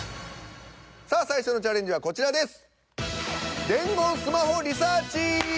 さあ最初のチャレンジはこちらです。